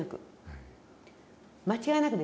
間違いなく。